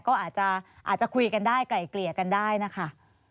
ก็อาจจะคุยกันได้ไกล่เกลี่ยกันได้นะคะ